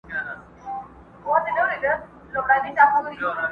کشمیر ته هر کلی پېغور وو اوس به وي او کنه!